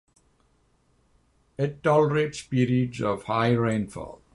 It tolerates periods of high rainfall.